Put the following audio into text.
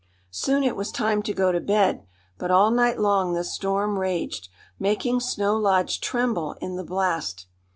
Soon it was time to go to bed, but all night long the storm raged, making Snow Lodge tremble in the blast.